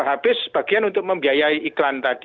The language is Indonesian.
habis bagian untuk membiayai iklan tadi